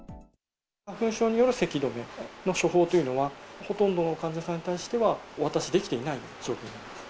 花粉症によるせき止めの処方というのは、ほとんどの患者さんに対しては、お渡しできていない状況になります。